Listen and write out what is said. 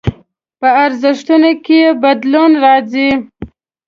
په ارزښتونو کې يې بدلون راځي.